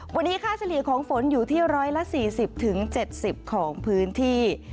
วันนี้ค่าเฉลี่ยของฝนอยู่ที่ร้อยละสี่สิบถึงเจ็ดสิบของพื้นที่